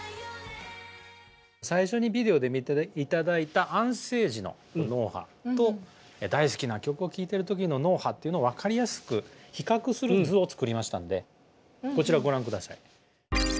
最初にビデオで見て頂いた安静時の脳波と大好きな曲を聴いている時の脳波というのを分かりやすく比較する図をつくりましたのでこちらをご覧下さい。